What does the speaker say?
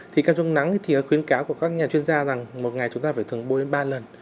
thì cao trong nắng thì khuyến cáo của các nhà chuyên gia rằng một ngày chúng ta phải thường bôi đến ba lần